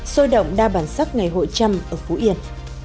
xôi động đa bản sắc ngày hội chăm ở phú yên